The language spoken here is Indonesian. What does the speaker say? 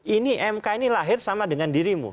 ini mk ini lahir sama dengan dirimu